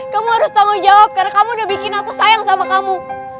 kamu harus tanggung jawab karena kamu udah bikin aku sayang sama kamu